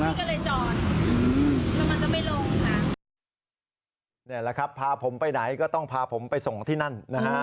นี่แหละครับพาผมไปไหนก็ต้องพาผมไปส่งที่นั่นนะฮะ